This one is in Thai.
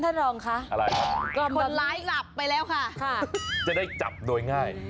ท่านรองคะคนร้ายหลับไปแล้วค่ะจะได้จับโดยง่าย